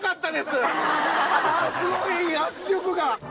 すごい圧力が。